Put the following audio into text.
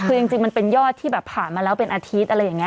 คือจริงมันเป็นยอดที่แบบผ่านมาแล้วเป็นอาทิตย์อะไรอย่างนี้